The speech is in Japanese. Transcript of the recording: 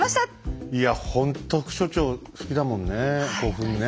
いやほんと副所長好きだもんね古墳ね。